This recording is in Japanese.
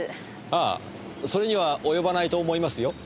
ああそれには及ばないと思いますよ。